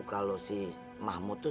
kalo si mahmud tuh